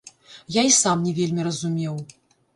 Я і сам не вельмі разумеў.